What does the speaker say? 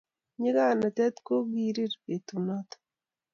nyikanet ko kirir betut noto